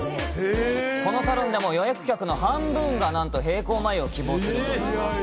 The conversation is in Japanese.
このサロンでも、予約客の半分が、なんと、平行眉を希望するといいます。